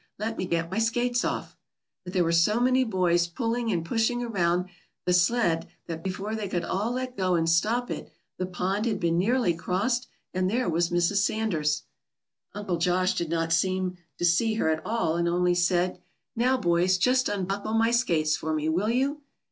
Let me get my skates off." But there were so many boys pulling and pushing around that sled that before they could all let go and stop it, the pond had been nearly crossed, and there was Mrs. Sanders. Uncle Josh did not seem to see her at all, and only said, "Now, boys, just unbuckle my skates for me, will you?"